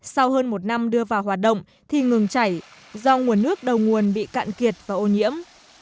sau hơn một năm đưa vào hoạt động thì ngừng chảy do nguồn nước đầu nguồn bị cạn kiệt và ô nhiễm